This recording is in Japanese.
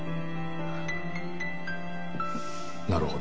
なるほど。